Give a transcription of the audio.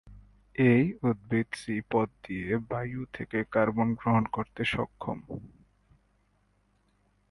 এই উদ্ভিদ সি পথ দিয়ে বায়ু থেকে কার্বন গ্রহণ করতে সক্ষম।